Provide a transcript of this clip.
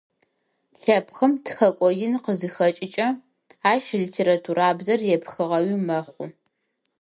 Лъэпкъым тхэкӏо ин къызыхэкӏыкӏэ ащ литературабзэр епхыгъэуи мэхъу.